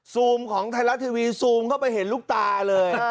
ซูมของไทยรัฐทีวีซูมเข้าไปเห็นลูกตาเลย